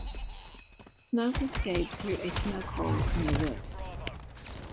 Smoke escaped through a smoke hole in the roof.